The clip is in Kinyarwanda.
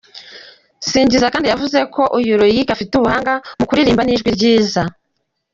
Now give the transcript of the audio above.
Singiza yavuze kandi ko uyu Loïc afite ubuhanga mu kuririmba n’ijwi ryiza.